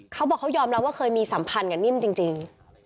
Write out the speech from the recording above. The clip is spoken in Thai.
เขาบอกเขายอมรับว่าเคยมีสัมพันธ์กับนิ่มจริง